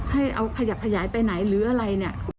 ให้เอาขยับขยายไปไหนหรืออะไรเนี่ย